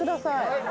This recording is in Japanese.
はい。